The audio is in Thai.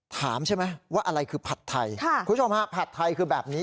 ถามใช่ไหมว่าอะไรคือผัดไทยคุณผู้ชมฮะผัดไทยคือแบบนี้